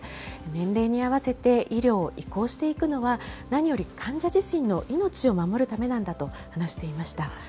年齢に合わせて医療を移行していくのは、何より患者自身の命を守るためなんだと話していました。